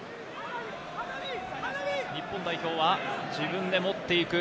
日本代表は自分で持っていく。